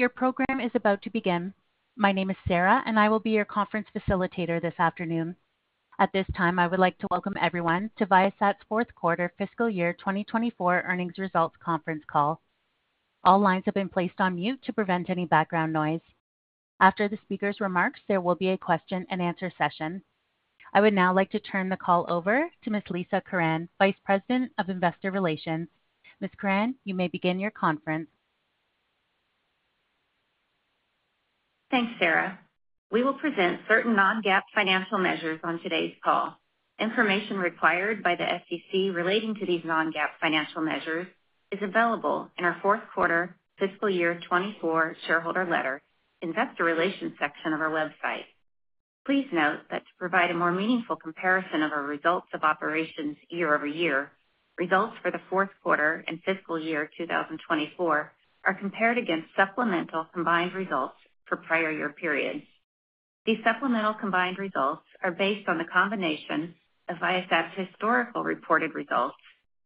Your program is about to begin. My name is Sarah, and I will be your conference facilitator this afternoon. At this time, I would like to welcome everyone to Viasat's fourth quarter fiscal year 2024 earnings results conference call. All lines have been placed on mute to prevent any background noise. After the speaker's remarks, there will be a question-and-answer session. I would now like to turn the call over to Ms. Lisa Curran, Vice President of Investor Relations. Ms. Curran, you may begin your conference. Thanks, Sarah. We will present certain non-GAAP financial measures on today's call. Information required by the SEC relating to these non-GAAP financial measures is available in our fourth quarter fiscal year 2024 shareholder letter, Investor Relations section of our website. Please note that to provide a more meaningful comparison of our results of operations year-over-year, results for the fourth quarter and fiscal year 2024 are compared against supplemental combined results for prior year periods. These supplemental combined results are based on the combination of Viasat's historical reported results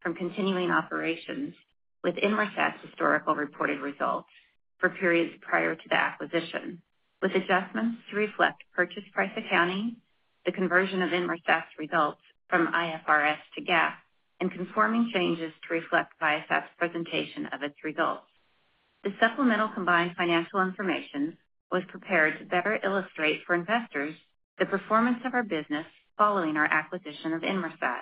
from continuing operations with Inmarsat's historical reported results for periods prior to the acquisition, with adjustments to reflect purchase price accounting, the conversion of Inmarsat's results from IFRS to GAAP, and conforming changes to reflect Viasat's presentation of its results. The supplemental combined financial information was prepared to better illustrate for investors the performance of our business following our acquisition of Inmarsat.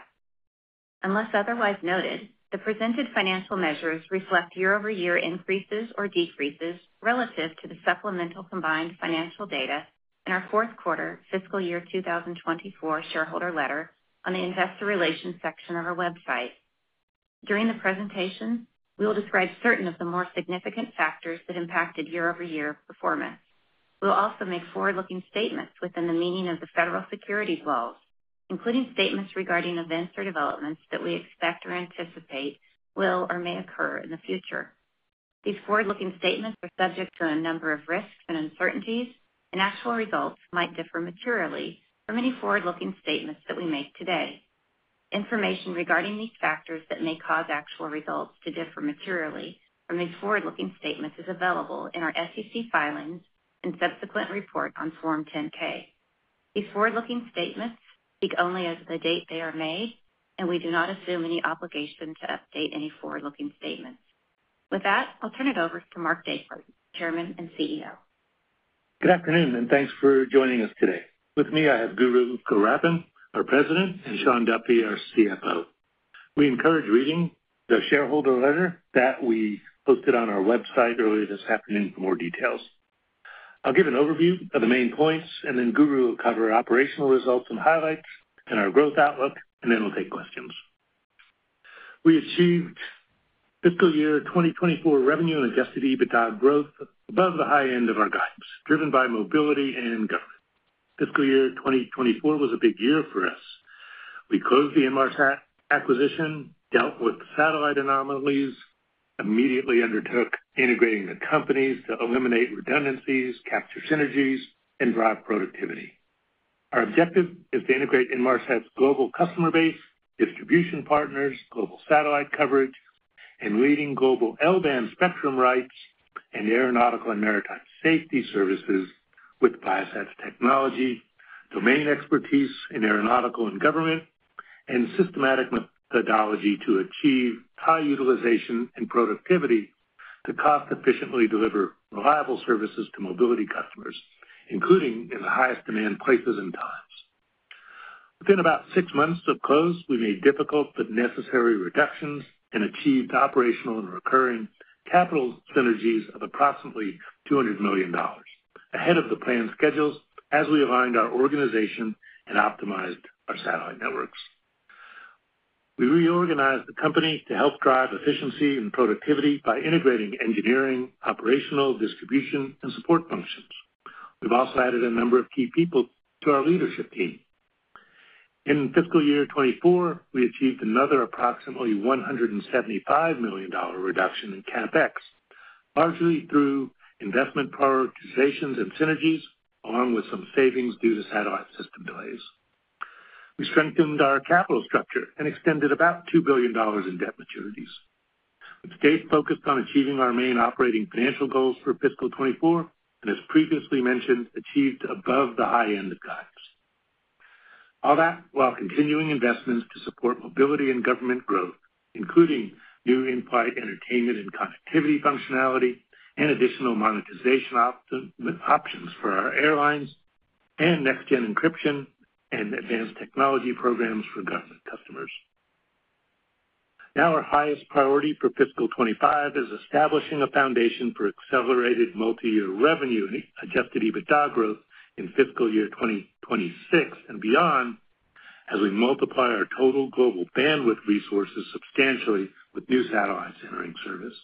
Unless otherwise noted, the presented financial measures reflect year-over-year increases or decreases relative to the supplemental combined financial data in our fourth quarter fiscal year 2024 shareholder letter on the Investor Relations section of our website. During the presentation, we will describe certain of the more significant factors that impacted year-over-year performance. We'll also make forward-looking statements within the meaning of the federal securities laws, including statements regarding events or developments that we expect or anticipate will or may occur in the future. These forward-looking statements are subject to a number of risks and uncertainties, and actual results might differ materially from any forward-looking statements that we make today. Information regarding these factors that may cause actual results to differ materially from these forward-looking statements is available in our SEC filings and subsequent report on Form 10-K. These forward-looking statements speak only as of the date they are made, and we do not assume any obligation to update any forward-looking statements. With that, I'll turn it over to Mark Dankberg, Chairman and CEO. Good afternoon, and thanks for joining us today. With me, I have Guru Gowrappan, our President, and Shawn Duffy, our CFO. We encourage reading the shareholder letter that we posted on our website earlier this afternoon for more details. I'll give an overview of the main points, and then Guru will cover our operational results and highlights and our growth outlook, and then we'll take questions. We achieved fiscal year 2024 revenue and adjusted EBITDA growth above the high end of our guidance, driven by mobility and government. Fiscal year 2024 was a big year for us. We closed the Inmarsat acquisition, dealt with satellite anomalies, immediately undertook integrating the companies to eliminate redundancies, capture synergies, and drive productivity. Our objective is to integrate Inmarsat's global customer base, distribution partners, global satellite coverage, and leading global L-band spectrum rights and aeronautical and maritime safety services with Viasat's technology, domain expertise in aeronautical and government, and systematic methodology to achieve high utilization and productivity to cost efficiently deliver reliable services to mobility customers, including in the highest demand places and times. Within about six months of close, we made difficult but necessary reductions and achieved operational and recurring capital synergies of approximately $200 million, ahead of the planned schedules as we aligned our organization and optimized our satellite networks. We reorganized the company to help drive efficiency and productivity by integrating engineering, operational, distribution, and support functions. We've also added a number of key people to our leadership team. In fiscal year 2024, we achieved another approximately $175 million reduction in CapEx, largely through investment prioritizations and synergies, along with some savings due to satellite system delays. We strengthened our capital structure and extended about $2 billion in debt maturities. We stayed focused on achieving our main operating financial goals for fiscal 2024, and as previously mentioned, achieved above the high end of guidance. All that while continuing investments to support mobility and government growth, including new in-flight entertainment and connectivity functionality and additional monetization options for our airlines and next-gen encryption and advanced technology programs for government customers. Now, our highest priority for fiscal 2025 is establishing a foundation for accelerated multiyear revenue and adjusted EBITDA growth in fiscal year 2026 and beyond, as we multiply our total global bandwidth resources substantially with new satellites entering service.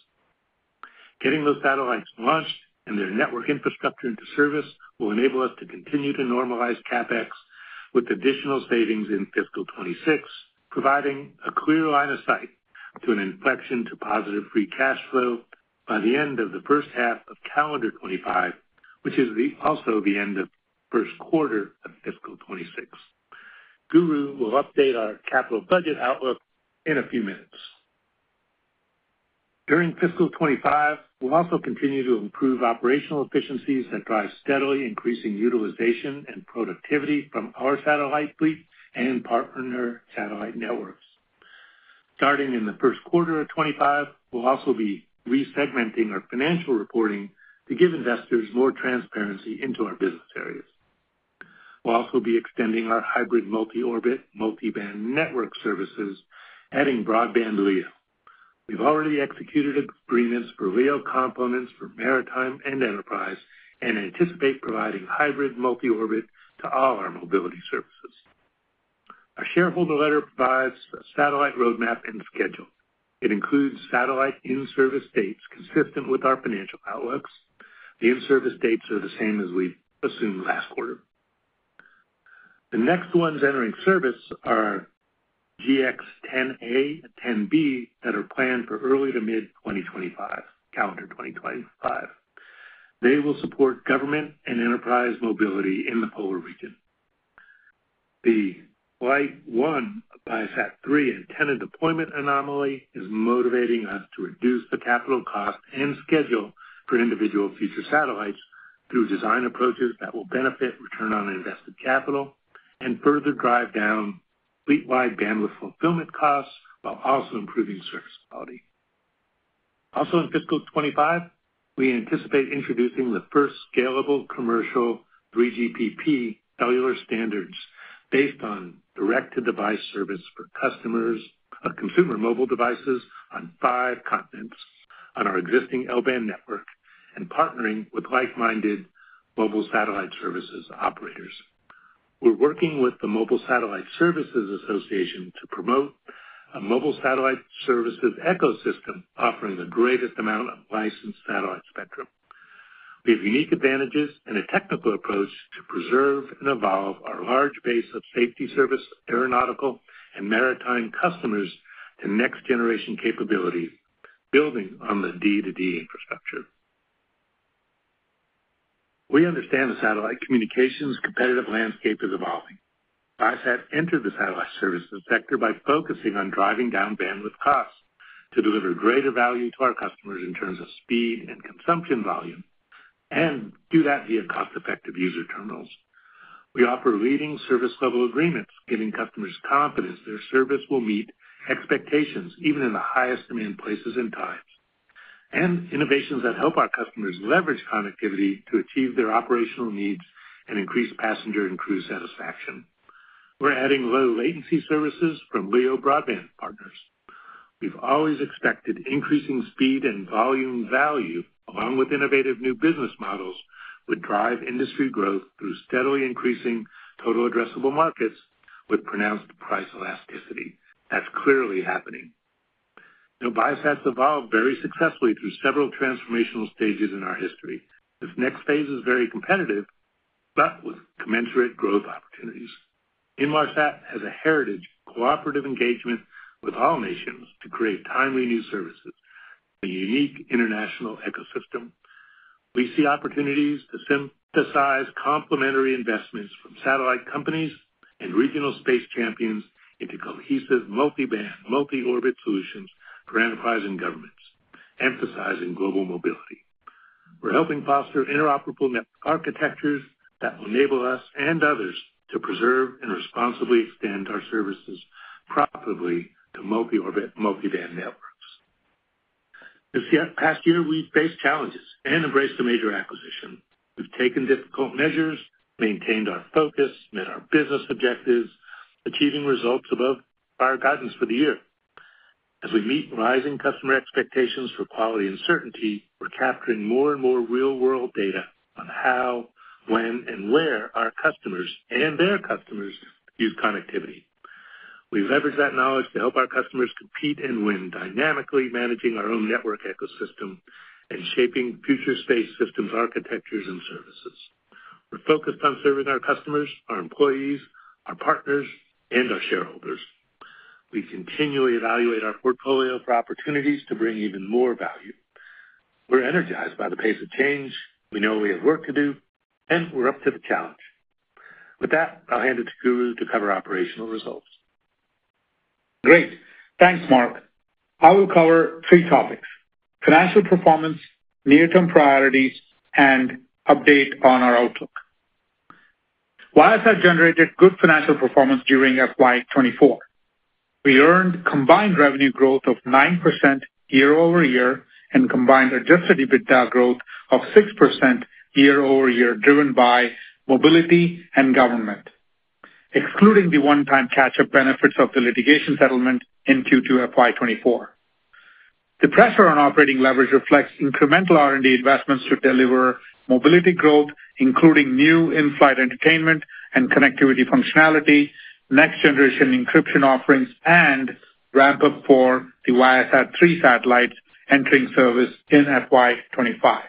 Getting those satellites launched and their network infrastructure into service will enable us to continue to normalize CapEx with additional savings in fiscal 2026, providing a clear line of sight to an inflection to positive free cash flow by the end of the first half of calendar 2025, which is also the end of first quarter of fiscal 2026. Guru will update our capital budget outlook in a few minutes. During fiscal 2025, we'll also continue to improve operational efficiencies that drive steadily increasing utilization and productivity from our satellite fleet and partner satellite networks. Starting in the first quarter of 2025, we'll also be re-segmenting our financial reporting to give investors more transparency into our business areas. We'll also be extending our hybrid multi-orbit, multi-band network services, adding broadband LEO. We've already executed agreements for LEO components for maritime and enterprise, and anticipate providing hybrid multi-orbit to all our mobility services. Our shareholder letter provides a satellite roadmap and schedule. It includes satellite in-service dates consistent with our financial outlooks. The in-service dates are the same as we assumed last quarter. The next ones entering service are GX10A and GX10B, that are planned for early to mid-2025, calendar 2025. They will support government and enterprise mobility in the polar region. The Flight 1 ViaSat-3 antenna deployment anomaly is motivating us to reduce the capital cost and schedule for individual future satellites through design approaches that will benefit return on invested capital and further drive down fleet-wide bandwidth fulfillment costs, while also improving service quality. Also, in fiscal 2025, we anticipate introducing the first scalable commercial 3GPP cellular standards based on direct-to-device service for customers of consumer mobile devices on five continents on our existing L-band network, and partnering with like-minded mobile satellite services operators. We're working with the Mobile Satellite Services Association to promote a mobile satellite services ecosystem, offering the greatest amount of licensed satellite spectrum. We have unique advantages and a technical approach to preserve and evolve our large base of safety service, aeronautical, and maritime customers to next-generation capabilities, building on the D2D infrastructure. We understand the satellite communications competitive landscape is evolving. Viasat entered the satellite services sector by focusing on driving down bandwidth costs to deliver greater value to our customers in terms of speed and consumption volume, and do that via cost-effective user terminals. We offer leading service level agreements, giving customers confidence their service will meet expectations, even in the highest demand places and times, and innovations that help our customers leverage connectivity to achieve their operational needs and increase passenger and crew satisfaction. We're adding low latency services from LEO Broadband partners. We've always expected increasing speed and volume value, along with innovative new business models, would drive industry growth through steadily increasing total addressable markets with pronounced price elasticity. That's clearly happening. Now, Viasat's evolved very successfully through several transformational stages in our history. This next phase is very competitive, but with commensurate growth opportunities. Inmarsat has a heritage of cooperative engagement with all nations to create timely new services, a unique international ecosystem. We see opportunities to synthesize complementary investments from satellite companies and regional space champions into cohesive, multi-band, multi-orbit solutions for enterprise and governments, emphasizing global mobility. We're helping foster interoperable network architectures that will enable us and others to preserve and responsibly extend our services profitably to multi-orbit, multi-band networks. This past year, we've faced challenges and embraced a major acquisition. We've taken difficult measures, maintained our focus, met our business objectives, achieving results above our guidance for the year. As we meet rising customer expectations for quality and certainty, we're capturing more and more real-world data on how, when, and where our customers and their customers use connectivity. We leverage that knowledge to help our customers compete and win, dynamically managing our own network ecosystem and shaping future space systems, architectures, and services. We're focused on serving our customers, our employees, our partners, and our shareholders. We continually evaluate our portfolio for opportunities to bring even more value. We're energized by the pace of change. We know we have work to do, and we're up to the challenge. With that, I'll hand it to Guru to cover operational results. Great. Thanks, Mark. I will cover three topics: financial performance, near-term priorities, and update on our outlook. Viasat generated good financial performance during FY 2024. We earned combined revenue growth of 9% year-over-year, and combined Adjusted EBITDA growth of 6% year-over-year, driven by mobility and government, excluding the one-time catch-up benefits of the litigation settlement in Q2 FY 2024. The pressure on operating leverage reflects incremental R&D investments to deliver mobility growth, including new in-flight entertainment and connectivity functionality, next-generation encryption offerings, and ramp-up for the ViaSat-3 satellites entering service in FY 2025.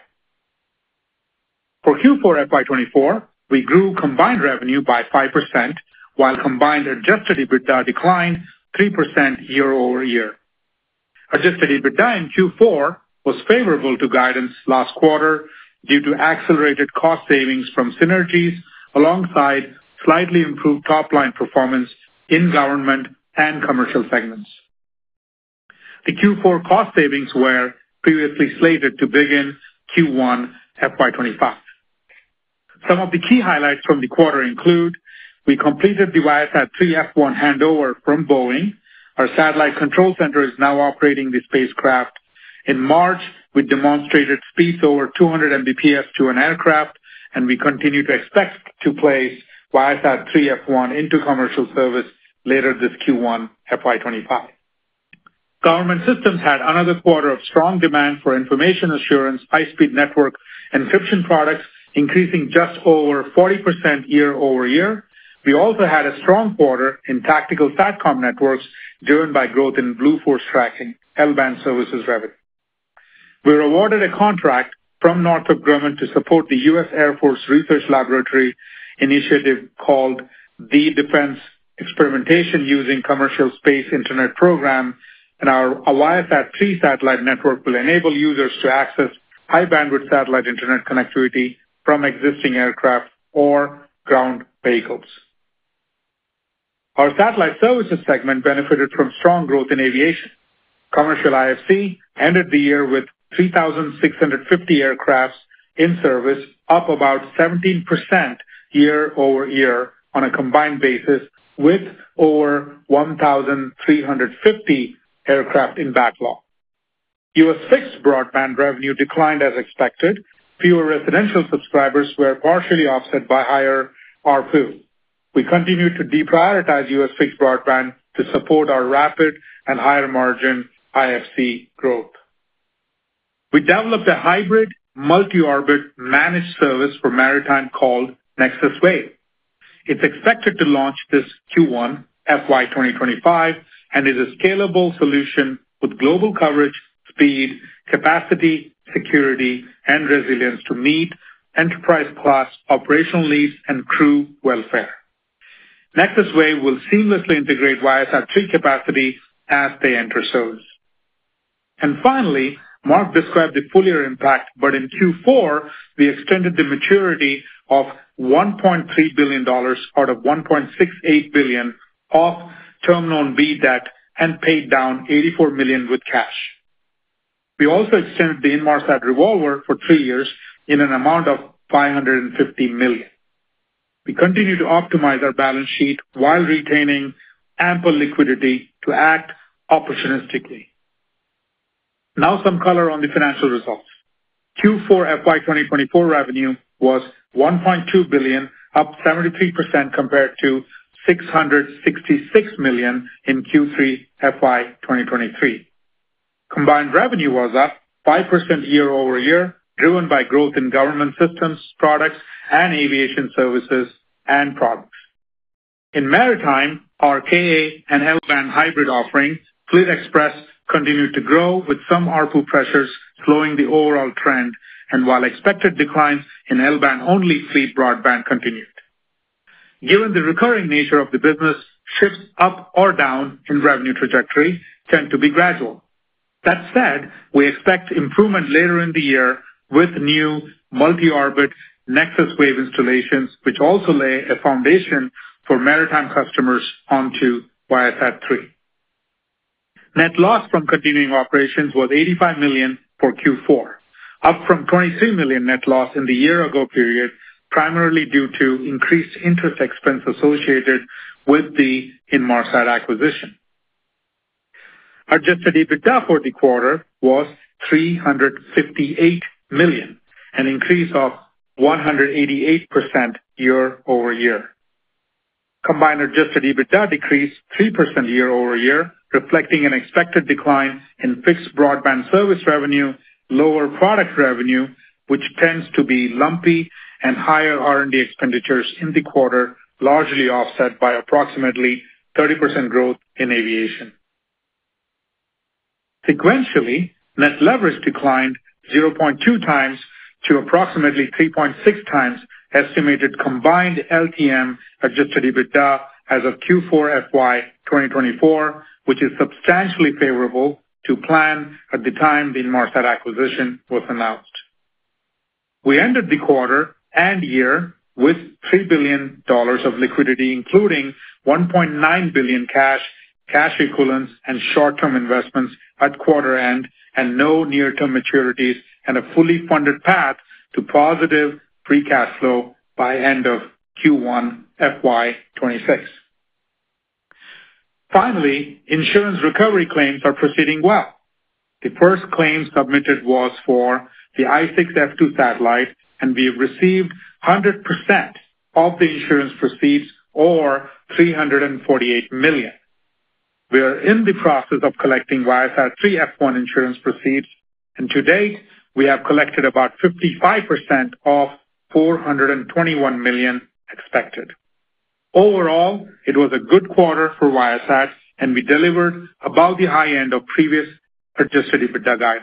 For Q4 FY 2024, we grew combined revenue by 5%, while combined Adjusted EBITDA declined 3% year-over-year. Adjusted EBITDA in Q4 was favorable to guidance last quarter due to accelerated cost savings from synergies, alongside slightly improved top-line performance in government and commercial segments. The Q4 cost savings were previously slated to begin Q1 FY2025. Some of the key highlights from the quarter include: We completed the ViaSat-3 F1 handover from Boeing. Our satellite control center is now operating the spacecraft. In March, we demonstrated speeds over 200 Mbps to an aircraft, and we continue to expect to place ViaSat-3 F1 into commercial service later this Q1 FY2025. Government Systems had another quarter of strong demand for information assurance, high-speed network, and encryption products, increasing just over 40% year-over-year. We also had a strong quarter in tactical SATCOM networks, driven by growth in Blue Force Tracking, L-band services revenue. We were awarded a contract from Northrop Grumman to support the U.S. Air Force Research Laboratory initiative called the Defense Experimentation Using Commercial Space Internet Program, and our ViaSat-3 satellite network will enable users to access high-bandwidth satellite internet connectivity from existing aircraft or ground vehicles. Our satellite services segment benefited from strong growth in aviation. Commercial IFC ended the year with 3,650 aircraft in service, up about 17% year-over-year on a combined basis, with over 1,350 aircraft in backlog. U.S. fixed broadband revenue declined as expected. Fewer residential subscribers were partially offset by higher ARPU. We continue to deprioritize U.S. fixed broadband to support our rapid and higher-margin IFC growth. We developed a hybrid, multi-orbit managed service for maritime called NexusWave. It's expected to launch this Q1 FY 2025 and is a scalable solution with global coverage, speed, capacity, security, and resilience to meet enterprise-class operational needs and crew welfare. NexusWave will seamlessly integrate ViaSat-3 capacity as they enter service. And finally, Mark described the full-year impact, but in Q4, we extended the maturity of $1.3 billion out of $1.68 billion of Term Loan B debt and paid down $84 million with cash. We also extended the Inmarsat revolver for three years in an amount of $550 million. We continue to optimize our balance sheet while retaining ample liquidity to act opportunistically. Now, some color on the financial results. Q4 FY 2024 revenue was $1.2 billion, up 73% compared to $666 million in Q3 FY 2023. Combined revenue was up 5% year-over-year, driven by growth in government systems, products and aviation services and products. In maritime, our Ka- and L-band hybrid offering, Fleet Xpress, continued to grow, with some ARPU pressures slowing the overall trend, and while expected declines in L-band-only FleetBroadband continued. Given the recurring nature of the business, shifts up or down in revenue trajectory tend to be gradual. That said, we expect improvement later in the year with new multi-orbit NexusWave installations, which also lay a foundation for maritime customers onto ViaSat-3. Net loss from continuing operations was $85 million for Q4, up from $23 million net loss in the year ago period, primarily due to increased interest expense associated with the Inmarsat acquisition. Adjusted EBITDA for the quarter was $358 million, an increase of 188% year-over-year. Combined adjusted EBITDA decreased 3% year-over-year, reflecting an expected decline in fixed broadband service revenue, lower product revenue, which tends to be lumpy, and higher R&D expenditures in the quarter, largely offset by approximately 30% growth in aviation. Sequentially, net leverage declined 0.2x to approximately 3.6x estimated combined LTM adjusted EBITDA as of Q4 FY 2024, which is substantially favorable to plan at the time the Inmarsat acquisition was announced. We ended the quarter and year with $3 billion of liquidity, including $1.9 billion cash, cash equivalents, and short-term investments at quarter end, and no near-term maturities and a fully funded path to positive free cash flow by end of Q1 FY 2026. Finally, insurance recovery claims are proceeding well. The first claims submitted was for the I-6 F2 satellite, and we have received 100% of the insurance proceeds or $348 million. We are in the process of collecting ViaSat-3 F1 insurance proceeds, and to date, we have collected about 55% of $421 million expected. Overall, it was a good quarter for Viasat, and we delivered above the high end of previous Adjusted EBITDA guide.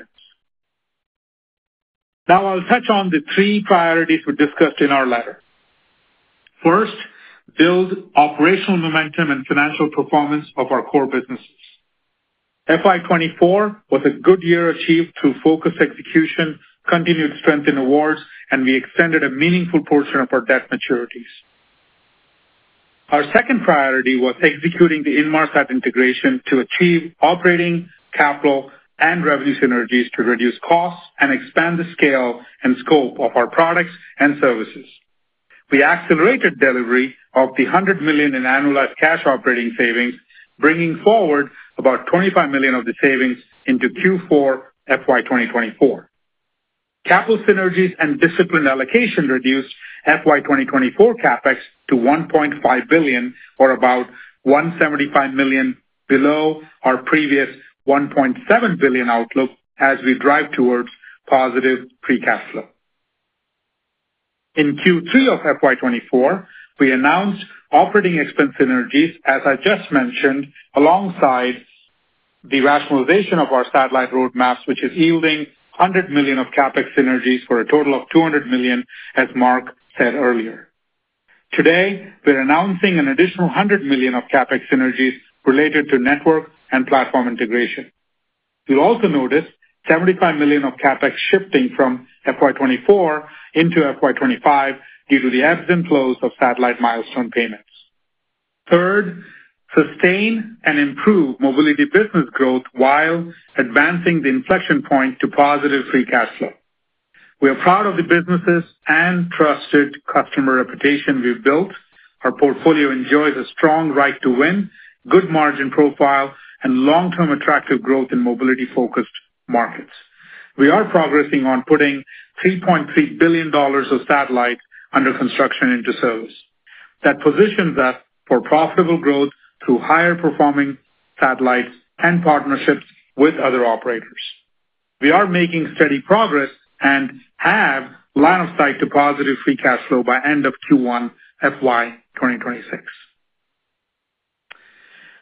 Now I'll touch on the three priorities we discussed in our letter. First, build operational momentum and financial performance of our core businesses. FY 2024 was a good year achieved through focused execution, continued strength in awards, and we extended a meaningful portion of our debt maturities. Our second priority was executing the Inmarsat integration to achieve operating, capital, and revenue synergies to reduce costs and expand the scale and scope of our products and services. We accelerated delivery of the $100 million in annualized cash operating savings, bringing forward about $25 million of the savings into Q4 FY 2024. Capital synergies and disciplined allocation reduced FY 2024 CapEx to $1.5 billion, or about $175 million below our previous $1.7 billion outlook as we drive towards positive free cash flow. In Q3 of FY 2024, we announced operating expense synergies, as I just mentioned, alongside the rationalization of our satellite roadmap, which is yielding $100 million of CapEx synergies for a total of $200 million, as Mark said earlier. Today, we're announcing an additional $100 million of CapEx synergies related to network and platform integration. You'll also notice $75 million of CapEx shifting from FY 2024 into FY 2025 due to the ebbs and flows of satellite milestone payments. Third, sustain and improve mobility business growth while advancing the inflection point to positive free cash flow. We are proud of the businesses and trusted customer reputation we've built. Our portfolio enjoys a strong right to win, good margin profile, and long-term attractive growth in mobility-focused markets. We are progressing on putting $3.3 billion of satellite under construction into service. That positions us for profitable growth through higher-performing satellites and partnerships with other operators. We are making steady progress and have line of sight to positive free cash flow by end of Q1 FY 2026.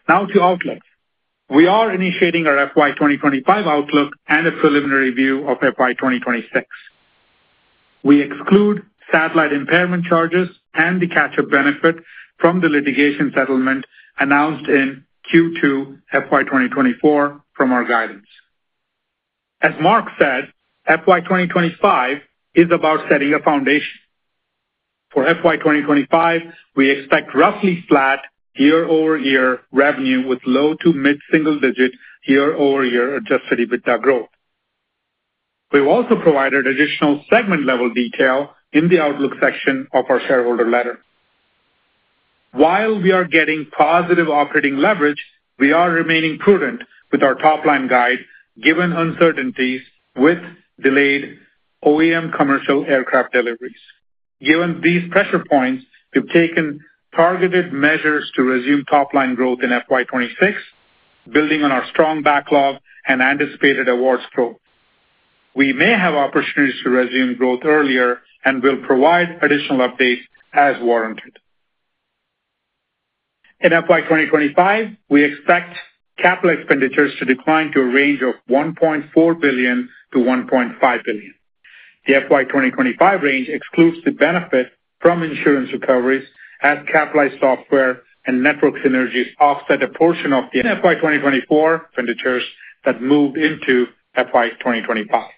Now to outlook. We are initiating our FY 2025 outlook and a preliminary view of FY 2026. We exclude satellite impairment charges and the catch-up benefit from the litigation settlement announced in Q2 FY 2024 from our guidance. As Mark said, FY 2025 is about setting a foundation. For FY 2025, we expect roughly flat year-over-year revenue with low to mid-single digit year-over-year adjusted EBITDA growth. We've also provided additional segment-level detail in the outlook section of our shareholder letter. While we are getting positive operating leverage, we are remaining prudent with our top-line guide, given uncertainties with delayed OEM commercial aircraft deliveries. Given these pressure points, we've taken targeted measures to resume top line growth in FY 2026, building on our strong backlog and anticipated awards growth. We may have opportunities to resume growth earlier, and we'll provide additional updates as warranted. In FY 2025, we expect capital expenditures to decline to a range of $1.4 billion-$1.5 billion. The FY 2025 range excludes the benefit from insurance recoveries as capitalized software and network synergies offset a portion of the FY 2024 expenditures that moved into FY 2025.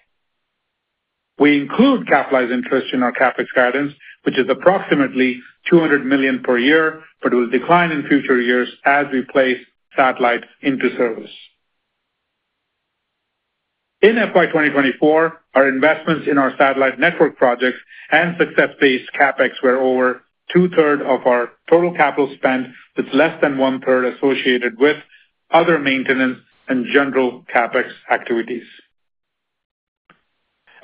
We include capitalized interest in our CapEx guidance, which is approximately $200 million per year, but it will decline in future years as we place satellites into service. In FY 2024, our investments in our satellite network projects and success-based CapEx were over two-thirds of our total capital spend, with less than one-third associated with other maintenance and general CapEx activities.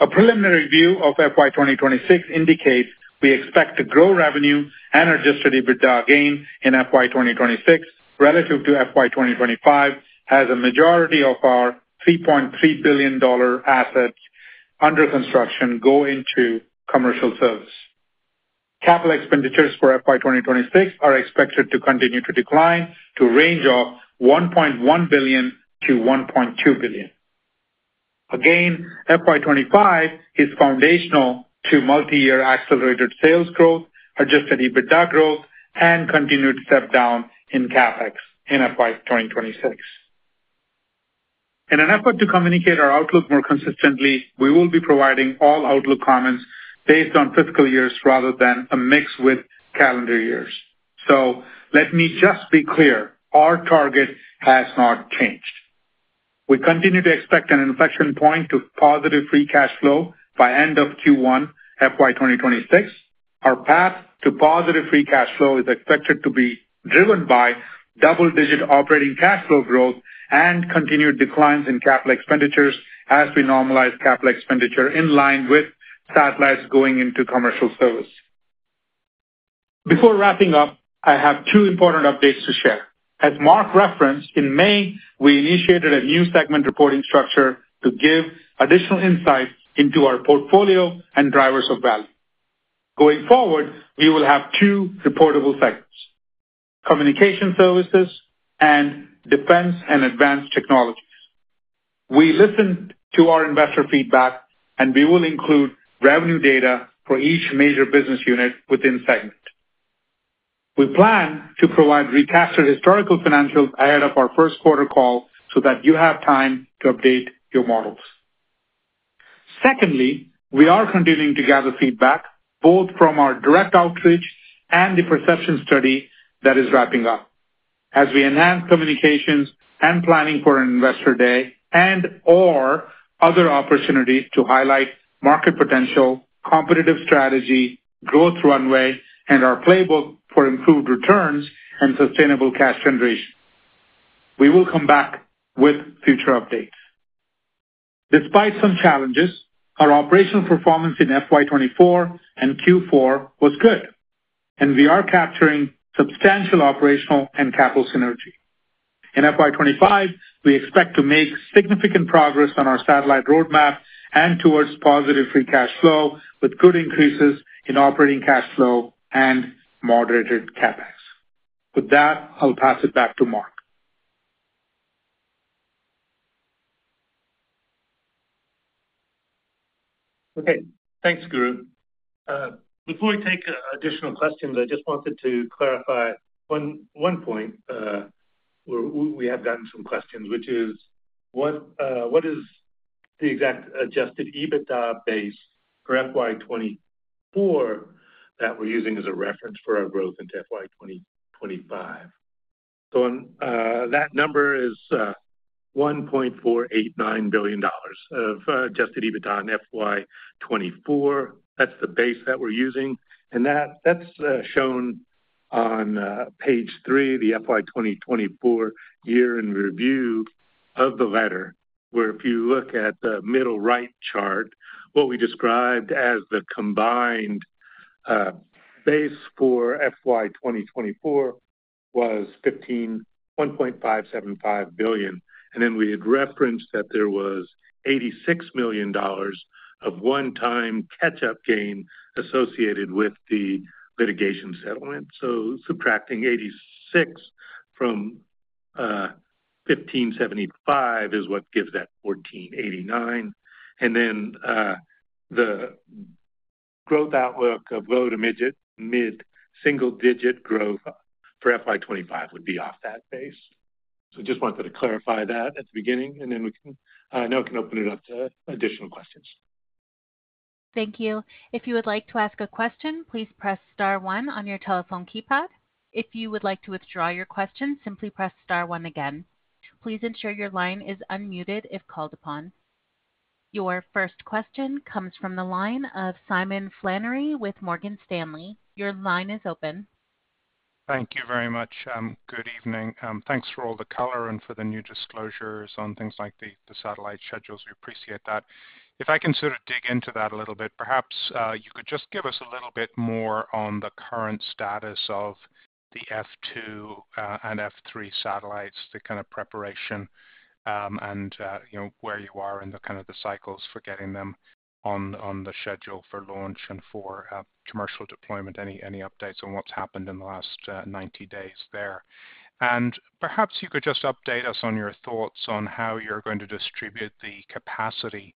A preliminary view of FY 2026 indicates we expect to grow revenue and adjusted EBITDA again in FY 2026 relative to FY 2025, as a majority of our $3.3 billion assets under construction go into commercial service. Capital expenditures for FY 2026 are expected to continue to decline to a range of $1.1 billion-$1.2 billion. Again, FY 2025 is foundational to multiyear accelerated sales growth, adjusted EBITDA growth, and continued step down in CapEx in FY 2026. In an effort to communicate our outlook more consistently, we will be providing all outlook comments based on fiscal years rather than a mix with calendar years. So let me just be clear, our target has not changed. We continue to expect an inflection point to positive free cash flow by end of Q1 FY 2026. Our path to positive free cash flow is expected to be driven by double-digit operating cash flow growth and continued declines in capital expenditures as we normalize capital expenditure in line with satellites going into commercial service. Before wrapping up, I have two important updates to share. As Mark referenced, in May, we initiated a new segment reporting structure to give additional insight into our portfolio and drivers of value. Going forward, we will have two reportable segments: communication services and defense and advanced technologies. We listened to our investor feedback, and we will include revenue data for each major business unit within segment. We plan to provide recast historical financials ahead of our first quarter call so that you have time to update your models. Secondly, we are continuing to gather feedback, both from our direct outreach and the perception study that is wrapping up, as we enhance communications and planning for an investor day and/or other opportunities to highlight market potential, competitive strategy, growth runway, and our playbook for improved returns and sustainable cash generation. We will come back with future updates. Despite some challenges, our operational performance in FY 2024 and Q4 was good, and we are capturing substantial operational and capital synergy. In FY 2025, we expect to make significant progress on our satellite roadmap and towards positive free cash flow, with good increases in operating cash flow and moderated CapEx. With that, I'll pass it back to Mark. Okay, thanks, Guru. Before we take additional questions, I just wanted to clarify one point where we have gotten some questions, which is what is the exact Adjusted EBITDA base for FY 2024 that we're using as a reference for our growth into FY 2025? So, that number is $1.489 billion of Adjusted EBITDA in FY 2024. That's the base that we're using, and that's shown on page three, the FY 2024 year-end review of the letter, where if you look at the middle right chart, what we described as the combined base for FY 2024 was $1.575 billion. And then we had referenced that there was $86 million of one-time catch-up gain associated with the litigation settlement. So subtracting 86 from 1,575 is what gives that 1,489. And then, the growth outlook of low- to mid-single-digit growth for FY 2025 would be off that base. So just wanted to clarify that at the beginning, and then we can now open it up to additional questions. Thank you. If you would like to ask a question, please press star one on your telephone keypad. If you would like to withdraw your question, simply press star one again. Please ensure your line is unmuted if called upon. Your first question comes from the line of Simon Flannery with Morgan Stanley. Your line is open. Thank you very much. Good evening. Thanks for all the color and for the new disclosures on things like the satellite schedules. We appreciate that. If I can sort of dig into that a little bit, perhaps you could just give us a little bit more on the current status of the F2 and F3 satellites, the kind of preparation, and you know, where you are in the kind of the cycles for getting them on the schedule for launch and for commercial deployment. Any updates on what's happened in the last 90 days there? And perhaps you could just update us on your thoughts on how you're going to distribute the capacity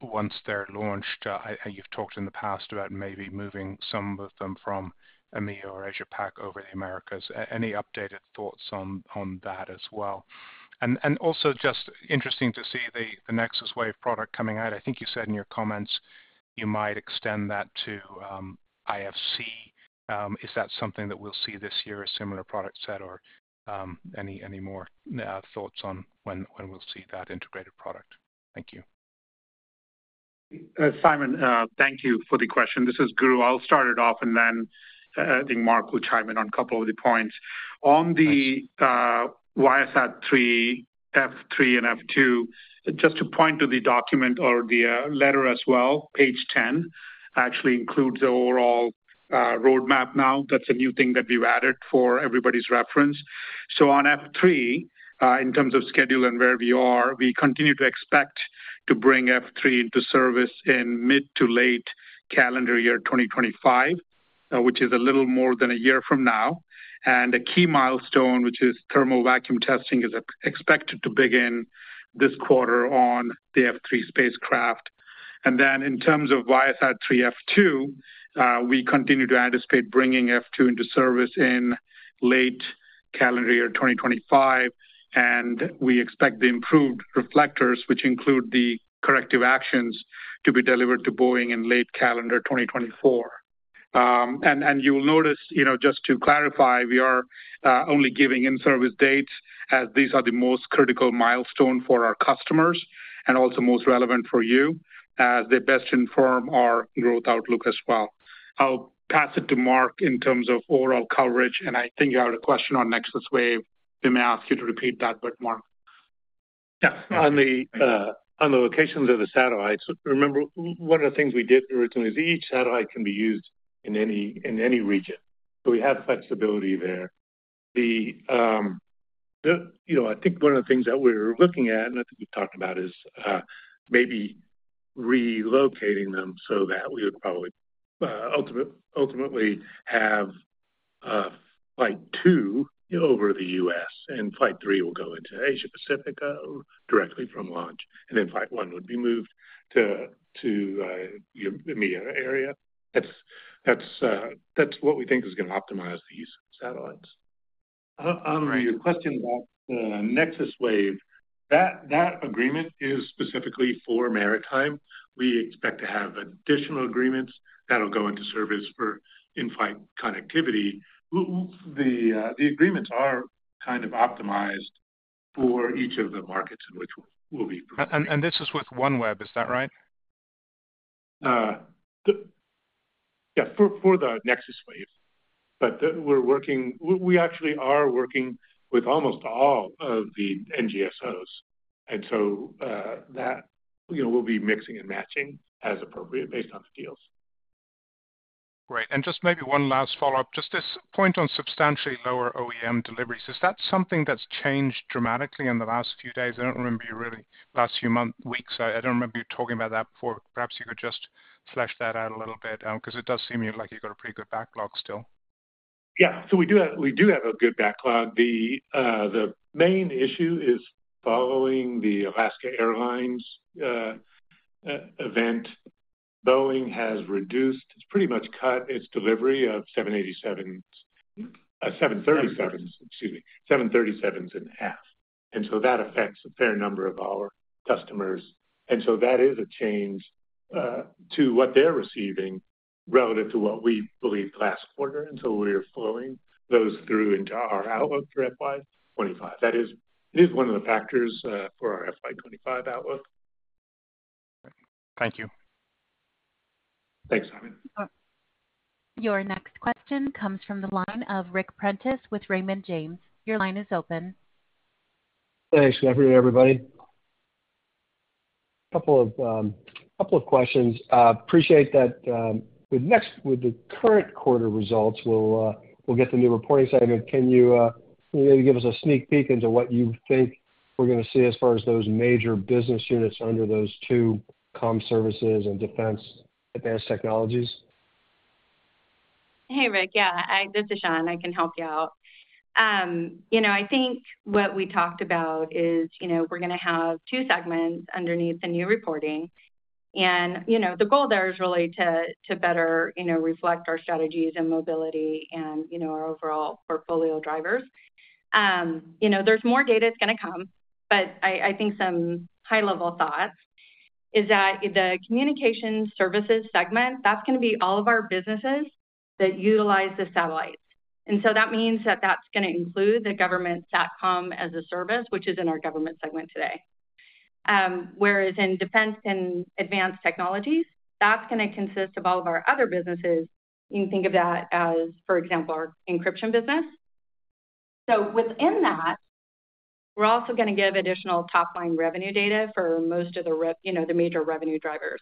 once they're launched. You've talked in the past about maybe moving some of them from EMEA or Asia Pac over the Americas. Any updated thoughts on that as well? And also just interesting to see the NexusWave product coming out. I think you said in your comments you might extend that to IFC. Is that something that we'll see this year, a similar product set, or any more thoughts on when we'll see that integrated product? Thank you. Simon, thank you for the question. This is Guru. I'll start it off, and then I think Mark will chime in on a couple of the points. On the ViaSat-3 F3 and F2, just to point to the document or the letter as well, page 10 actually includes the overall roadmap now. That's a new thing that we've added for everybody's reference. So on F3, in terms of schedule and where we are, we continue to expect to bring F3 into service in mid- to late calendar year 2025, which is a little more than a year from now. And a key milestone, which is thermal vacuum testing, is expected to begin this quarter on the F3 spacecraft. In terms of ViaSat-3 F2, we continue to anticipate bringing F2 into service in late calendar year 2025, and we expect the improved reflectors, which include the corrective actions, to be delivered to Boeing in late calendar year 2024. And you'll notice, you know, just to clarify, we are only giving in-service dates as these are the most critical milestone for our customers and also most relevant for you, as they best inform our growth outlook as well. I'll pass it to Mark in terms of overall coverage, and I think you had a question on NexusWave. We may ask you to repeat that, but Mark. Yeah. On the locations of the satellites, remember, one of the things we did originally is each satellite can be used in any, in any region, so we have flexibility there. The, you know, I think one of the things that we're looking at, and I think we've talked about, is maybe relocating them so that we would probably ultimately have Flight 2 over the U.S., and Flight 3 will go into Asia Pacific directly from launch, and then Flight 1 would be moved to the EMEA area. That's what we think is gonna optimize the use of the satellites. On your question about the NexusWave, that agreement is specifically for maritime. We expect to have additional agreements that'll go into service for in-flight connectivity. the agreements are kind of optimized for each of the markets in which we, we'll be- And this is with OneWeb, is that right? Yeah, for the NexusWave. But, we're working, we actually are working with almost all of the NGSOs. And so, that, you know, we'll be mixing and matching as appropriate, based on the deals. Great. And just maybe one last follow-up. Just this point on substantially lower OEM deliveries, is that something that's changed dramatically in the last few days? I don't remember you really, last few months, weeks. I don't remember you talking about that before. Perhaps you could just flesh that out a little bit, because it does seem to me like you've got a pretty good backlog still. Yeah. So we do have, we do have a good backlog. The, the main issue is following the Alaska Airlines event, Boeing has reduced, it's pretty much cut its delivery of 787s, 737s, excuse me, 737s in half, and so that affects a fair number of our customers. And so that is a change, to what they're receiving relative to what we believed last quarter, and so we're flowing those through into our outlook for FY 2025. That is, it is one of the factors, for our FY 2025 outlook. Thank you. Thanks, Simon. Your next question comes from the line of Ric Prentiss with Raymond James. Your line is open. Thanks, everybody. Couple of questions. Appreciate that, with the current quarter results, we'll get the new reporting segment. Can you give us a sneak peek into what you think we're gonna see as far as those major business units under those two: comm services and defense advanced technologies? Hey, Ric. Yeah, this is Shawn. I can help you out. You know, I think what we talked about is, you know, we're gonna have two segments underneath the new reporting. And, you know, the goal there is really to better, you know, reflect our strategies and mobility and, you know, our overall portfolio drivers. You know, there's more data that's gonna come, but I think some high-level thoughts is that the communication services segment, that's gonna be all of our businesses that utilize the satellites. And so that means that that's gonna include the government SATCOM as a service, which is in our government segment today. Whereas in defense and advanced technologies, that's gonna consist of all of our other businesses. You can think of that as, for example, our encryption business. So within that, we're also gonna give additional top-line revenue data for most of the revenue, you know, the major revenue drivers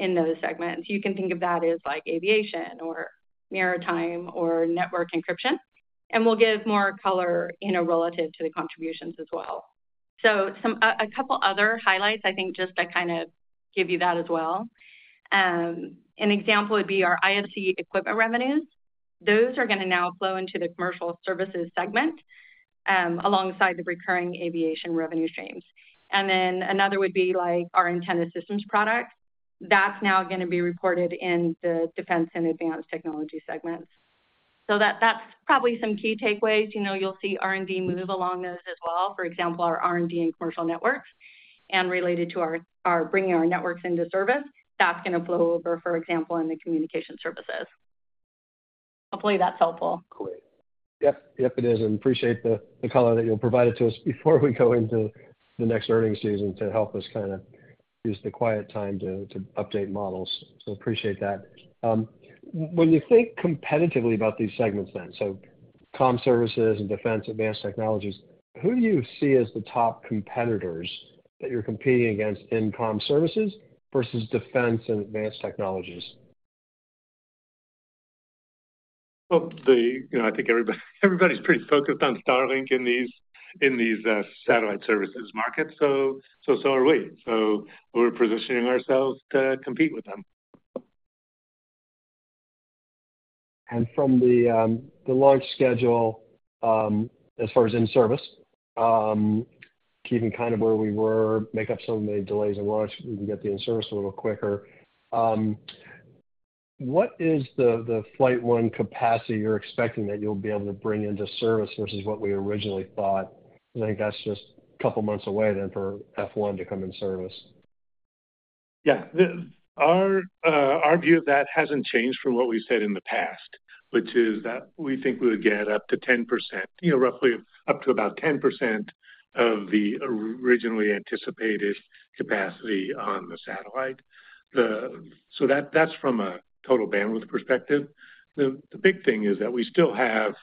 in those segments. You can think of that as, like, aviation or maritime or network encryption, and we'll give more color, you know, relative to the contributions as well. So some, a couple other highlights, I think, just to kind of give you that as well. An example would be our IFC equipment revenues. Those are gonna now flow into the commercial services segment, alongside the recurring aviation revenue streams. And then another would be, like, our antenna systems product. That's now gonna be reported in the defense and advanced technology segments. So that, that's probably some key takeaways. You know, you'll see R&D move along those as well. For example, our R&D and commercial networks, and related to our bringing our networks into service, that's gonna flow over, for example, in the communication services. Hopefully, that's helpful. Great. Yep. Yep, it is, and appreciate the color that you provided to us before we go into the next earnings season to help us kind of use the quiet time to update models. So appreciate that. When you think competitively about these segments then, so comm services and defense advanced technologies, who do you see as the top competitors that you're competing against in comm services versus defense and advanced technologies? Well, you know, I think everybody, everybody's pretty focused on Starlink in these satellite services markets, so are we. So we're positioning ourselves to compete with them. From the launch schedule, as far as in-service, keeping kind of where we were, make up some of the delays in launch, we can get the in-service a little quicker. What is the F1 capacity you're expecting that you'll be able to bring into service versus what we originally thought? I think that's just a couple of months away then for F1 to come in service. Yeah. Our view of that hasn't changed from what we've said in the past, which is that we think we would get up to 10%, you know, roughly up to about 10% of the originally anticipated capacity on the satellite. So that's from a total bandwidth perspective. The big thing is that we still have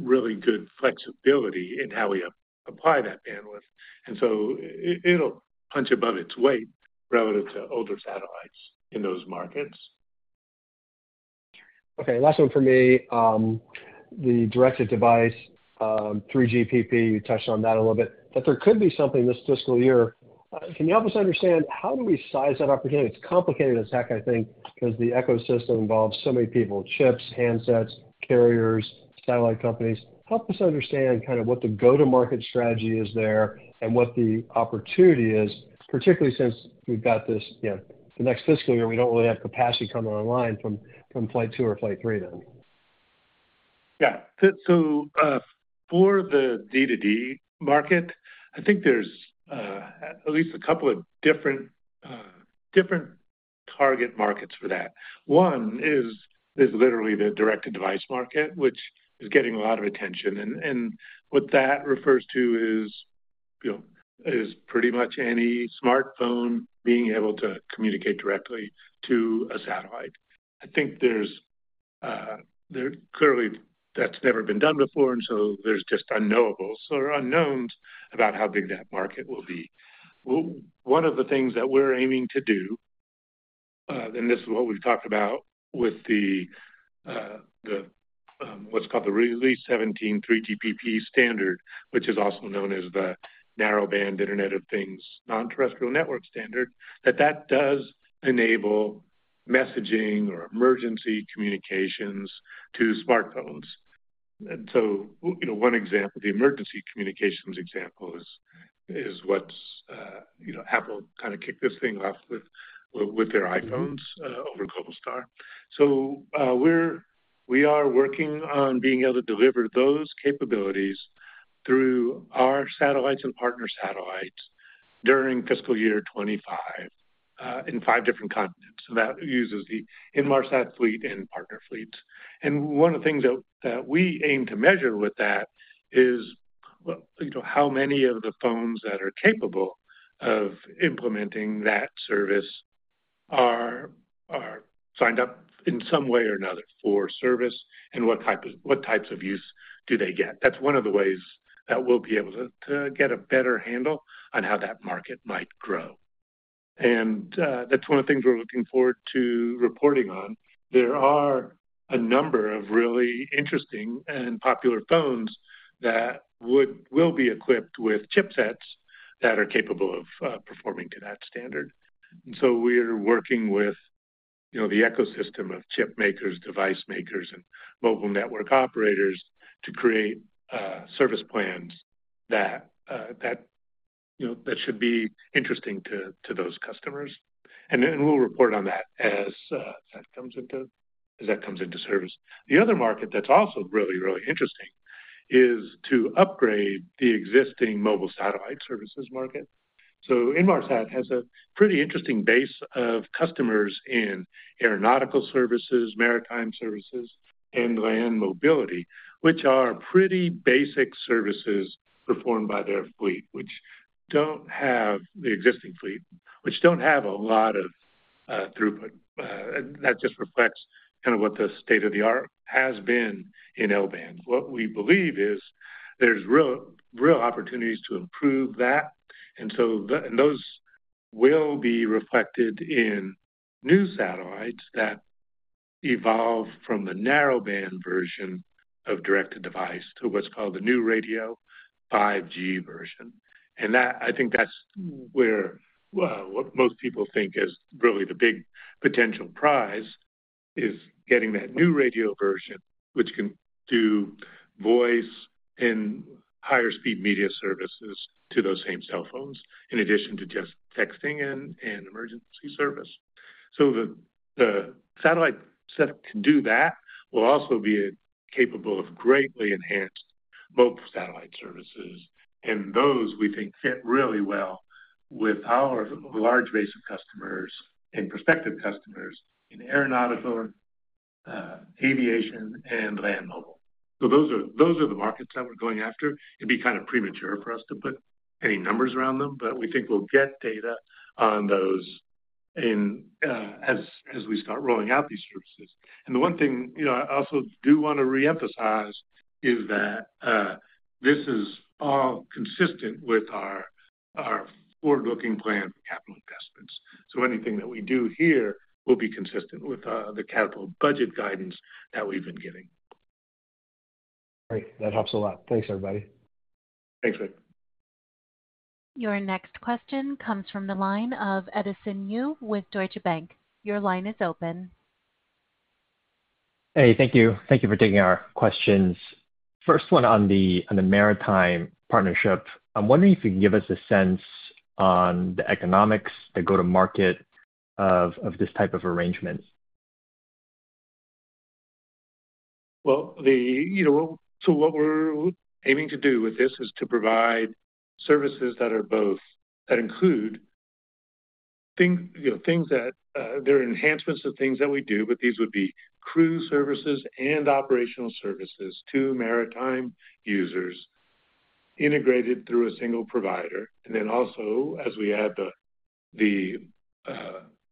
really good flexibility in how we apply that bandwidth, and so it'll punch above its weight relative to older satellites in those markets.... Okay, last one for me. The direct-to-device, 3GPP, you touched on that a little bit, that there could be something this fiscal year. Can you help us understand how do we size that opportunity? It's complicated as heck, I think, because the ecosystem involves so many people, chips, handsets, carriers, satellite companies. Help us understand kind of what the go-to-market strategy is there and what the opportunity is, particularly since we've got this, you know, the next fiscal year, we don't really have capacity coming online from, from Flight 2 or Flight 3 then. Yeah. So, for the D2D market, I think there's at least a couple of different target markets for that. One is literally the direct-to-device market, which is getting a lot of attention. And what that refers to is, you know, pretty much any smartphone being able to communicate directly to a satellite. I think there's clearly that's never been done before, and so there's just unknowables or unknowns about how big that market will be. One of the things that we're aiming to do, and this is what we've talked about with the what's called the Release-17 3GPP standard, which is also known as the Narrowband Internet of Things, Non-Terrestrial Network Standard, that does enable messaging or emergency communications to smartphones. And so, you know, one example, the emergency communications example is what's, you know, Apple kind of kicked this thing off with their iPhones over Globalstar. So, we're working on being able to deliver those capabilities through our satellites and partner satellites during fiscal year 2025 in five different continents. So that uses the Inmarsat fleet and partner fleets. And one of the things that we aim to measure with that is, well, you know, how many of the phones that are capable of implementing that service are signed up in some way or another for service, and what types of use do they get? That's one of the ways that we'll be able to get a better handle on how that market might grow. That's one of the things we're looking forward to reporting on. There are a number of really interesting and popular phones that will be equipped with chipsets that are capable of performing to that standard. So we're working with, you know, the ecosystem of chip makers, device makers, and mobile network operators to create service plans that, you know, that should be interesting to those customers. Then we'll report on that as that comes into service. The other market that's also really, really interesting is to upgrade the existing mobile satellite services market. So Inmarsat has a pretty interesting base of customers in aeronautical services, maritime services, and land mobility, which are pretty basic services performed by their fleet, which don't have the existing fleet, which don't have a lot of throughput. And that just reflects kind of what the state-of-the-art has been in L-band. What we believe is there's real, real opportunities to improve that, and so those will be reflected in new satellites that evolve from the narrowband version of direct-to-device to what's called the New Radio 5G version. And that... I think that's where what most people think is really the big potential prize, is getting that new radio version, which can do voice and higher speed media services to those same cell phones, in addition to just texting and emergency service. So the satellite set to do that will also be capable of greatly enhanced both satellite services, and those, we think, fit really well with our large base of customers and prospective customers in aeronautical, aviation, and land mobile. So those are the markets that we're going after. It'd be kind of premature for us to put any numbers around them, but we think we'll get data on those in, as, as we start rolling out these services. And the one thing, you know, I also do want to reemphasize is that, this is all consistent with our, our forward-looking plan capital investments. So anything that we do here will be consistent with, the capital budget guidance that we've been giving. Great. That helps a lot. Thanks, everybody. Thanks, Ric. Your next question comes from the line of Edison Yu with Deutsche Bank. Your line is open. Hey, thank you. Thank you for taking our questions. First one, on the maritime partnership, I'm wondering if you can give us a sense on the economics that go to market of this type of arrangement. Well, you know, so what we're aiming to do with this is to provide services that are both, that include, you know, things that they're enhancements to things that we do, but these would be crew services and operational services to maritime users, integrated through a single provider. And then also, as we add the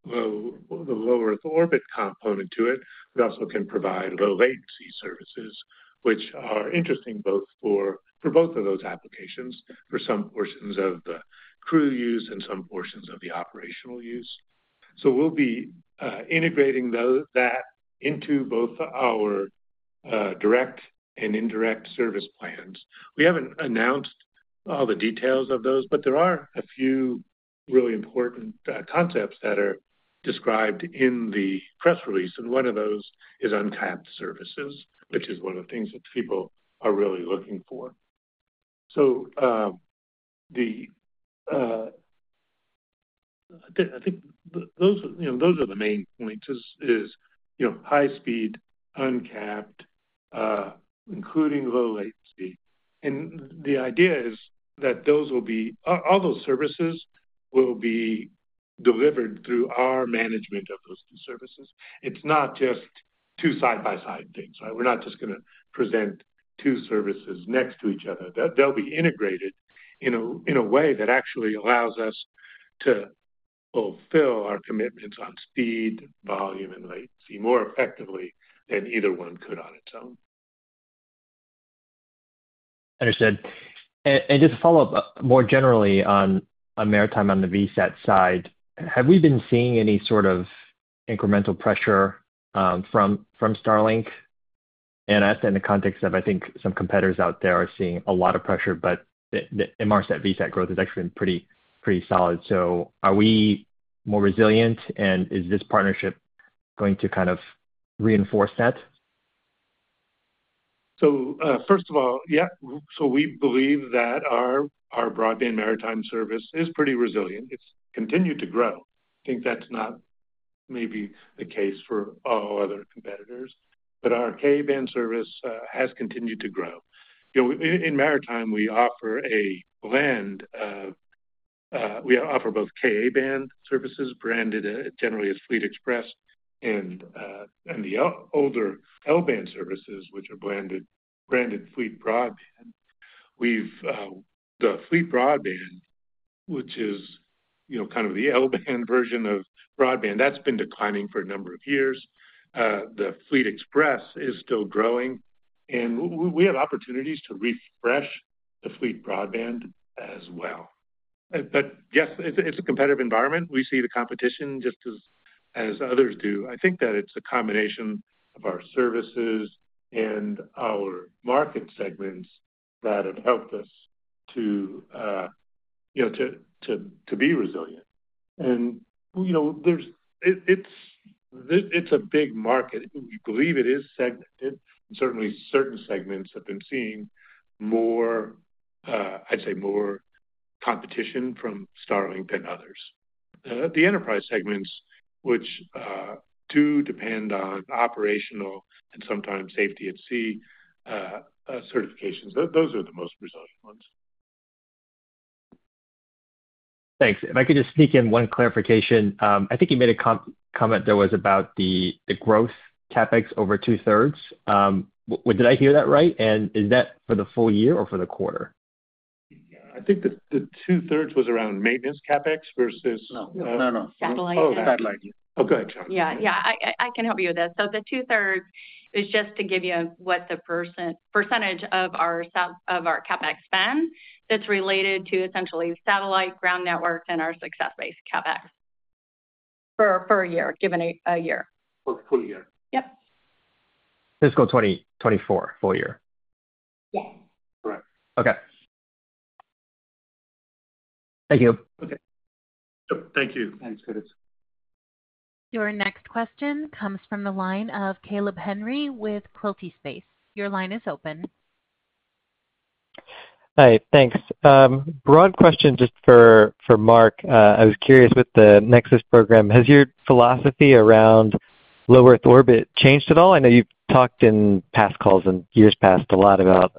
low Earth orbit component to it, we also can provide low latency services, which are interesting both for both of those applications, for some portions of the crew use and some portions of the operational use. So we'll be integrating those, that into both our direct and indirect service plans. We haven't announced all the details of those, but there are a few really important concepts that are described in the press release, and one of those is uncapped services, which is one of the things that people are really looking for. So, I think those, you know, those are the main points, you know, high speed, uncapped, including low latency. And the idea is that those will be, all, all those services will be delivered through our management of those two services. It's not just two side-by-side things, right? We're not just gonna present two services next to each other. They'll, they'll be integrated in a way that actually allows us to fulfill our commitments on speed, volume, and latency more effectively than either one could on its own. Understood. And just to follow up more generally on maritime, on the VSAT side, have we been seeing any sort of incremental pressure from Starlink? And I ask that in the context of, I think, some competitors out there are seeing a lot of pressure, but the Inmarsat VSAT growth has actually been pretty solid. So are we more resilient, and is this partnership going to kind of reinforce that? So, first of all, yeah, so we believe that our broadband maritime service is pretty resilient. It's continued to grow. I think that's not maybe the case for all other competitors, but our Ka-band service has continued to grow. You know, in maritime, we offer a blend of, we offer both Ka-band services, branded generally as Fleet Xpress, and the older L-band services, which are branded FleetBroadband. We've the FleetBroadband, which is, you know, kind of the L-band version of broadband, that's been declining for a number of years. The Fleet Xpress is still growing, and we have opportunities to refresh the FleetBroadband as well. But, yes, it's a competitive environment. We see the competition just as others do. I think that it's a combination of our services and our market segments that have helped us to, you know, to be resilient. And, you know, there's. It's a big market. We believe it is segmented. Certainly, certain segments have been seeing more, I'd say, more competition from Starlink than others. The enterprise segments, which do depend on operational and sometimes safety at sea certifications, those are the most resilient ones. Thanks. If I could just sneak in one clarification. I think you made a comment that was about the growth CapEx over two-thirds. Did I hear that right? And is that for the full-year or for the quarter? I think the two-thirds was around maintenance CapEx versus- No. No, no. Satellite. Oh, satellite. Oh, go ahead, Sarah. Yeah. I can help you with this. So the 2/3 is just to give you what the percentage of our CapEx spend that's related to essentially satellite, ground network, and our success-based CapEx for a year, given a year. For the full-year. Yep. Fiscal 2024, full-year? Yes. Correct. Okay. Thank you. Okay. Thank you. Thanks, Curtis. Your next question comes from the line of Caleb Henry with Quilty Space. Your line is open. Hi, thanks. Broad question just for, for Mark. I was curious, with the Nexus program, has your philosophy around low Earth orbit changed at all? I know you've talked in past calls and years past a lot about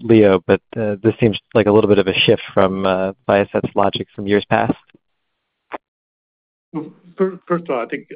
LEO, but this seems like a little bit of a shift from Viasat's logic from years past. Well, first of all, I think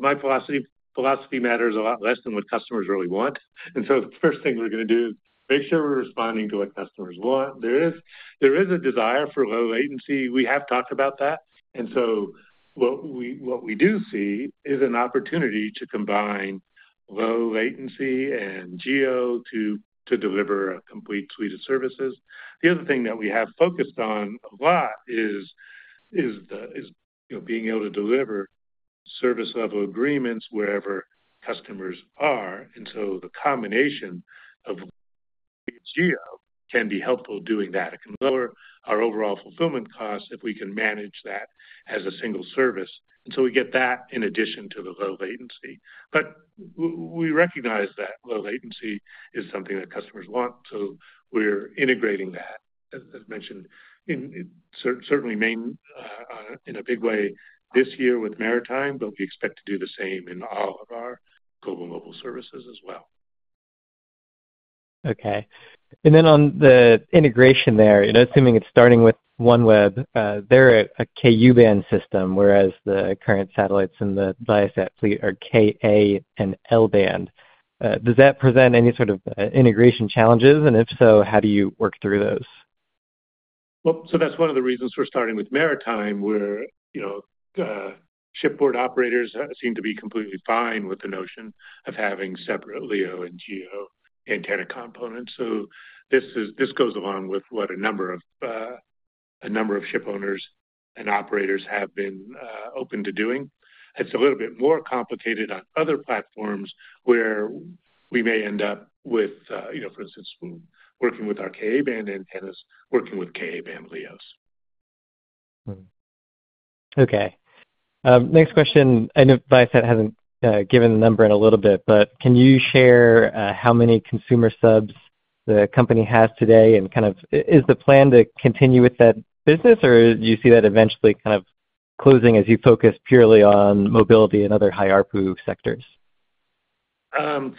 my philosophy matters a lot less than what customers really want. And so the first thing we're going to do is make sure we're responding to what customers want. There is a desire for low latency. We have talked about that, and so what we do see is an opportunity to combine low latency and GEO to deliver a complete suite of services. The other thing that we have focused on a lot is, you know, being able to deliver service level agreements wherever customers are, and so the combination of GEO can be helpful doing that. It can lower our overall fulfillment costs if we can manage that as a single service, and so we get that in addition to the low latency. But we recognize that low latency is something that customers want, so we're integrating that, as mentioned, certainly mainly in a big way this year with maritime, but we expect to do the same in all of our global mobile services as well. Okay. And then on the integration there, you know, assuming it's starting with OneWeb, they're a Ku-band system, whereas the current satellites in the Viasat fleet are Ka-band and L-band. Does that present any sort of integration challenges? And if so, how do you work through those? Well, so that's one of the reasons we're starting with maritime, where, you know, shipboard operators seem to be completely fine with the notion of having separate LEO and GEO antenna components. So this is, this goes along with what a number of, a number of shipowners and operators have been open to doing. It's a little bit more complicated on other platforms where we may end up with, you know, for instance, working with our Ka-band antennas, working with Ka-band LEOs. Hmm. Okay. Next question. I know Viasat hasn't given the number in a little bit, but can you share how many consumer subs the company has today, and kind of, is the plan to continue with that business, or do you see that eventually kind of closing as you focus purely on mobility and other high ARPU sectors?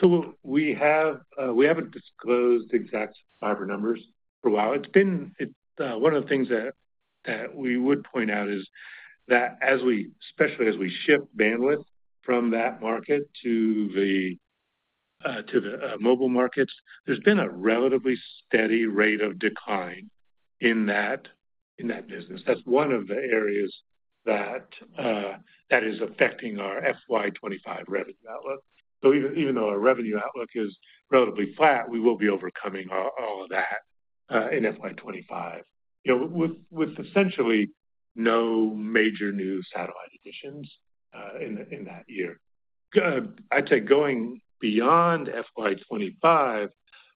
So we have, we haven't disclosed exact fiber numbers for a while. It's been one of the things that we would point out is that as we especially as we ship bandwidth from that market to the mobile markets, there's been a relatively steady rate of decline in that business. That's one of the areas that is affecting our FY 2025 revenue outlook. So even though our revenue outlook is relatively flat, we will be overcoming all of that in FY 2025, you know, with essentially no major new satellite additions in that year. I'd say going beyond FY 2025,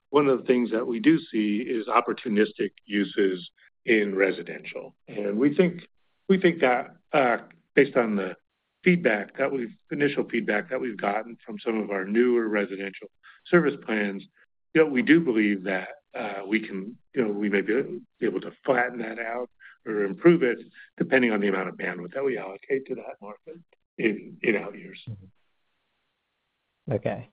one of the things that we do see is opportunistic uses in residential. We think that, based on the initial feedback that we've gotten from some of our newer residential service plans, we do believe that we can, you know, we may be able to flatten that out or improve it, depending on the amount of bandwidth that we allocate to that market in out years. Okay.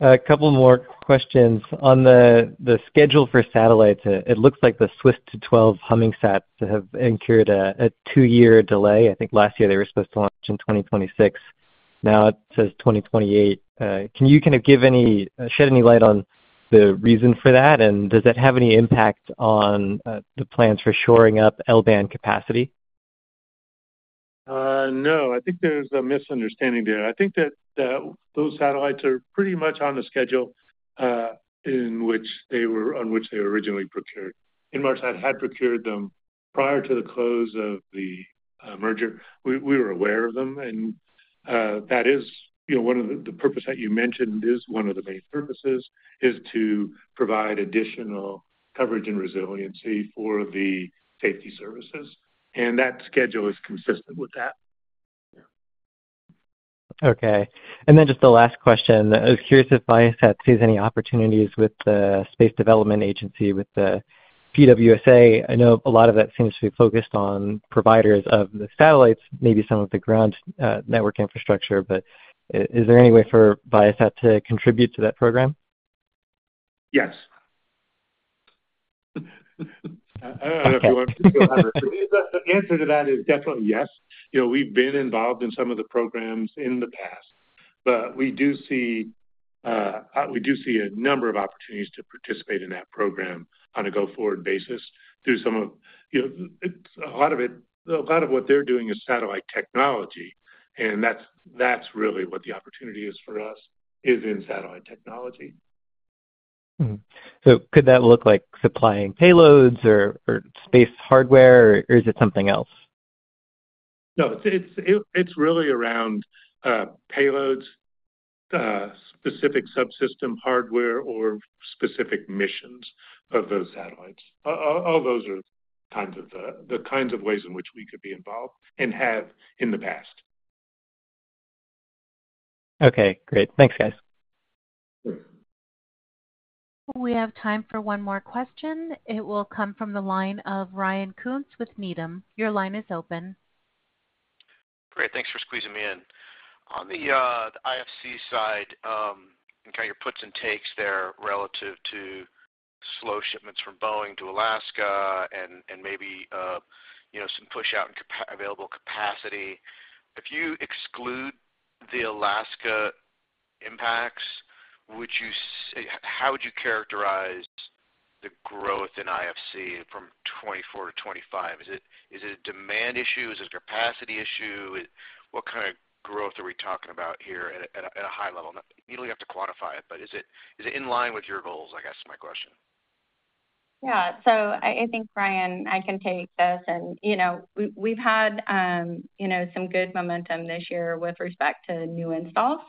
A couple more questions. On the schedule for satellites, it looks like the SWISSto12 HummingSats have incurred a two-year delay. I think last year they were supposed to launch in 2026. Now it says 2028. Can you kind of shed any light on the reason for that? And does that have any impact on the plans for shoring up L-band capacity? No, I think there's a misunderstanding there. I think that those satellites are pretty much on the schedule in which they were originally procured. Inmarsat had procured them prior to the close of the merger. We were aware of them, and that is, you know, one of the... The purpose that you mentioned is one of the main purposes, is to provide additional coverage and resiliency for the safety services, and that schedule is consistent with that. Okay. And then just the last question. I was curious if Viasat sees any opportunities with the Space Development Agency, with the PWSA. I know a lot of that seems to be focused on providers of the satellites, maybe some of the ground, network infrastructure, but is there any way for Viasat to contribute to that program? Yes. Okay. I don't know if you want to go ahead. The answer to that is definitely yes. You know, we've been involved in some of the programs in the past, but we do see, we do see a number of opportunities to participate in that program on a go-forward basis through some of... You know, it's a lot of it, a lot of what they're doing is satellite technology, and that's, that's really what the opportunity is for us, is in satellite technology. Could that look like supplying payloads or space hardware, or is it something else? No, it's really around payloads, specific subsystem hardware, or specific missions of those satellites. All those are kinds of, the kinds of ways in which we could be involved and have in the past. Okay, great. Thanks, guys. We have time for one more question. It will come from the line of Ryan Koontz with Needham. Your line is open. Great, thanks for squeezing me in. On the IFC side, and kind of your puts and takes there relative to slow shipments from Boeing to Alaska and maybe, you know, some push out in available capacity. If you exclude the Alaska impacts, would you say... How would you characterize the growth in IFC from 2024-2025? Is it a demand issue? Is it a capacity issue? What kind of growth are we talking about here at a high level? You don't have to quantify it, but is it in line with your goals, I guess, is my question? Yeah. So I, I think, Ryan, I can take this. And, you know, we, we've had, you know, some good momentum this year with respect to new installs.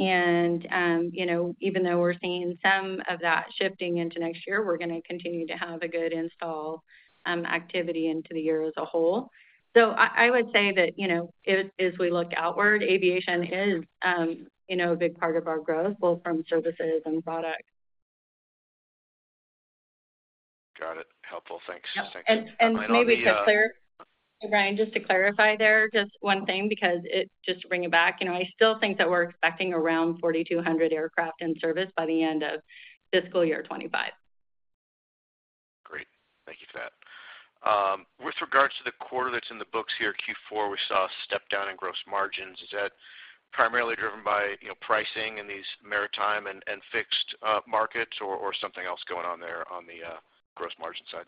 And, you know, even though we're seeing some of that shifting into next year, we're going to continue to have a good install activity into the year as a whole. So I, I would say that, you know, as, as we look outward, aviation is, you know, a big part of our growth, both from services and products. Got it. Helpful. Thanks. Yeah. Thank you. And maybe just clear, Ryan, just to clarify there, just one thing, because it—just to bring it back, you know, I still think that we're expecting around 4,200 aircraft in service by the end of fiscal year 2025. Great, thank you for that. With regards to the quarter that's in the books here, Q4, we saw a step down in gross margins. Is that primarily driven by, you know, pricing in these maritime and fixed markets or something else going on there on the gross margin side?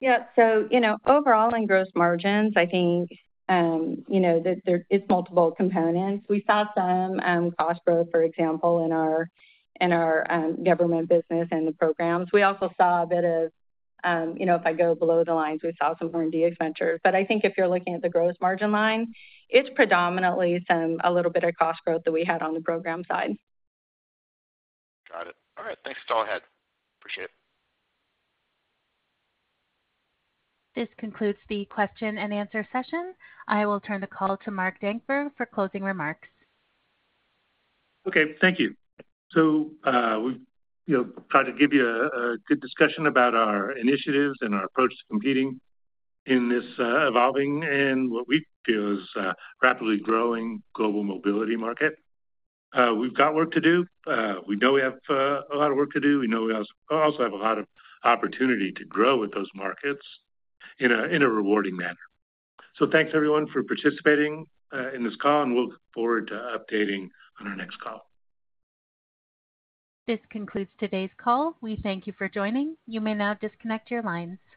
Yeah. So, you know, overall, in gross margins, I think, you know, that there is multiple components. We saw some cost growth, for example, in our government business and the programs. We also saw a bit of, you know, if I go below the line, we saw some R&D ventures. But I think if you're looking at the gross margin line, it's predominantly some, a little bit of cost growth that we had on the program side. Got it. All right. Thanks for all that. Appreciate it. This concludes the question and answer session. I will turn the call to Mark Dankberg for closing remarks. Okay. Thank you. So, we, you know, tried to give you a good discussion about our initiatives and our approach to competing in this, evolving and what we feel is a rapidly growing global mobility market. We've got work to do. We know we have a lot of work to do. We know we also have a lot of opportunity to grow with those markets in a rewarding manner. So thanks, everyone, for participating in this call, and we'll look forward to updating on our next call. This concludes today's call. We thank you for joining. You may now disconnect your lines.